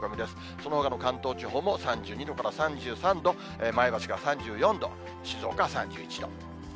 そのほかの関東地方も３５度から３３度、前橋が３４度、静岡は３１度。